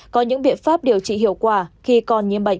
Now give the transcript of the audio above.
có những biện pháp điều trị hiệu quả khi còn nhiễm bệnh